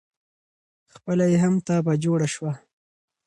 خپله یې هم تبعه جوړه شوه.